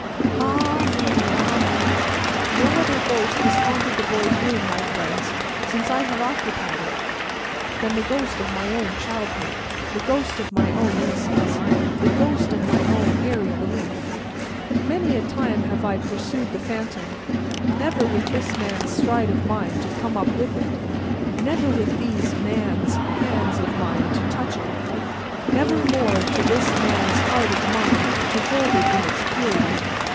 Ah me, ah me! No other ghost has haunted the boy's room, my friends, since I have occupied it, than the ghost of my own childhood, the ghost of my own innocence, the ghost of my own airy belief. Many a time have I pursued the phantom: never with this man's stride of mine to come up with it, never with these man's hands of mine to touch it, never more to this man's heart of mine to hold it in its purity.